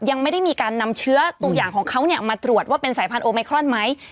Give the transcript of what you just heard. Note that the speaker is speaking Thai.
ยังไม่ได้มีการนำเชื้อตัวอย่างของเขามาตรวจว่าเป็นสายพันธุไมครอนไหม